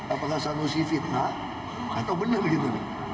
apakah sanksi fitnah atau benar gitu